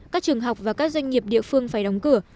các trường học và các doanh nghiệp địa phương phải đóng cửa